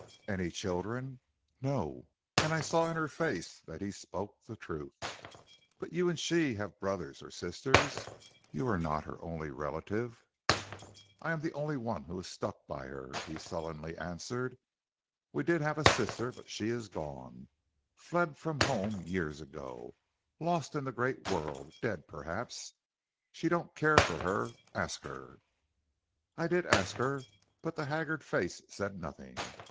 "'Any children?' "'No.' And I saw in her face that he spoke the truth. "'But you and she have brothers or sisters? You are not her only relative?' "'I am the only one who has stuck by her,' he sullenly answered. 'We did have a sister, but she is gone; fled from home years ago; lost in the great world; dead, perhaps. She don't care for her; ask her.' "I did ask her, but the haggard face said nothing.